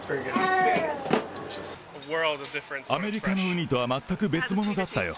アメリカのウニとは全く別物だったよ。